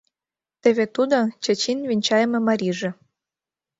Теве тудо — Чачин венчайыме марийже.